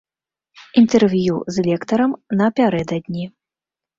Інтэрв'ю з лектарам напярэдадні.